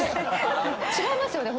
違いますよね？